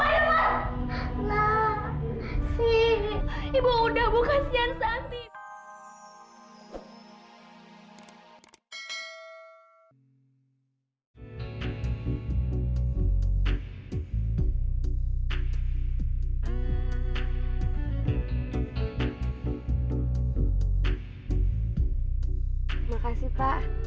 terima kasih pak